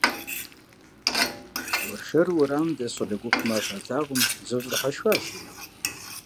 Уэршэру уэрамым дэс щӏалэ гупым ар щалъагъум, зэщӏэдыхьэшхащ ину.